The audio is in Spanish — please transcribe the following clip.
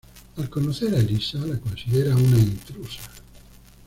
Al conocer a Elisa la considera una intrusa.